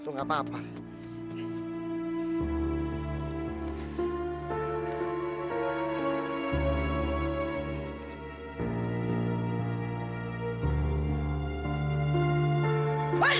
nggak gue dulu glenn